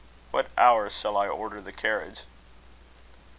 "What hour shall I order the carriage?"